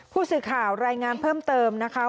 ผู้สื่อข่าวรายงานเพิ่มเติมนะคะ